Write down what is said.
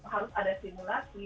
harus ada simulasi